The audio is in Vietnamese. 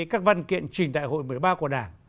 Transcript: các văn kiện trình đại hội một mươi ba của đảng